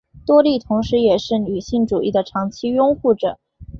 多莉同时也是女性主义的长期拥护者。